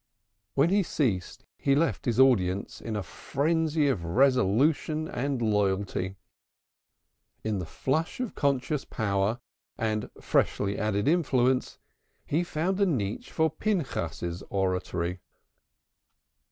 When he ceased he left his audience in a frenzy of resolution and loyalty. In the flush of conscious power and freshly added influence, he found a niche for Pinchas's oratory.